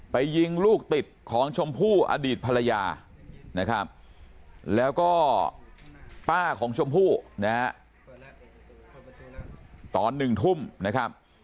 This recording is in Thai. ยิงลูกติดของชมพู่อดีตภรรยานะครับแล้วก็ป้าของชมพู่นะฮะตอน๑ทุ่มนะครับ